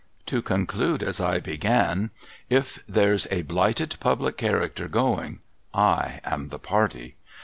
I To conclude as I began : if there's a blighted public character going, I am the party.